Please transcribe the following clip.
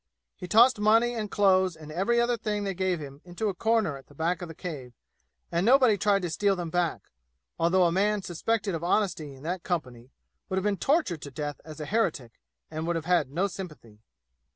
He tossed money and clothes and every other thing they gave him into a corner at the back of the cave, and nobody tried to steal them back, although a man suspected of honesty in that company would have been tortured to death as an heretic and would have had no sympathy.